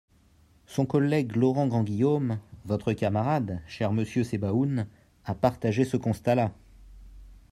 Son collègue Laurent Grandguillaume, votre camarade, cher monsieur Sebaoun, a partagé ce constat-là.